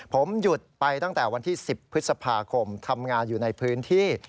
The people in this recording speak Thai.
ผมหยุดไปตั้งแต่วันที่๑๐พฤษภาคมทำงานอยู่ในพื้นที่